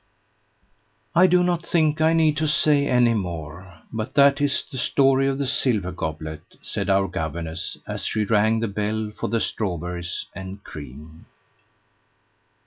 "I do not think I need say any more; but that is the story of the Silver Goblet," said our governess as she rang the bell for the strawberries and cream.